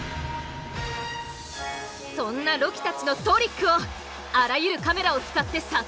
そんなロキたちのトリックをあらゆるカメラを使って撮影。